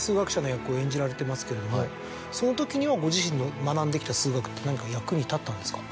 演じられてますけれどもそのときにはご自身の学んできた数学って何か役に立ったんですか？